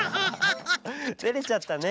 てれちゃったね！